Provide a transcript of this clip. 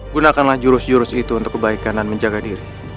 gunakanlah jurus jurus itu untuk kebaikan dan menjaga diri